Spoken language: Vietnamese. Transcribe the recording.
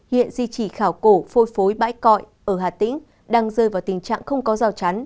hiện di trì khảo cổ phôi phối bãi cọi ở hà tĩnh đang rơi vào tình trạng không có rào chắn